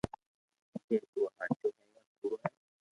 ڪي تو ھاچو ھي يا ڪوڙو ھي